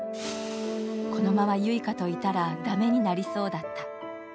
このまま唯花といたら駄目になりそうだった。